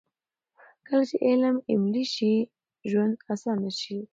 کله چې علم عملي شي، ژوند اسانه شي.